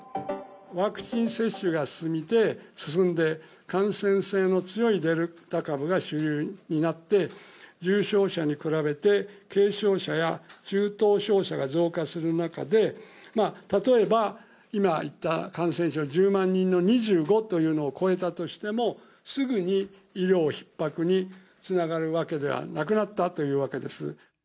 ワクチン接種が進んで、感染性の強いデルタ株が主流になって、重症者に比べて軽症者や中等症者が増加する中で、例えば、今言った１０万人の２５というのを超えたとしても、すぐに医療ひっ迫につながるわけではなくなったというわけです。